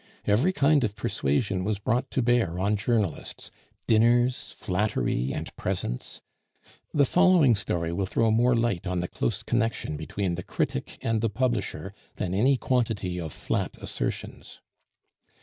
Every kind of persuasion was brought to bear on journalists dinners, flattery, and presents. The following story will throw more light on the close connection between the critic and the publisher than any quantity of flat assertions.